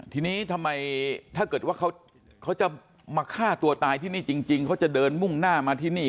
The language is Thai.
ทีนี้ทำไมถ้าเกิดว่าเขาจะมาฆ่าตัวตายที่นี่จริงเขาจะเดินมุ่งหน้ามาที่นี่